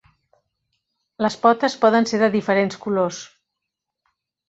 Les potes poden ser de diferents colors.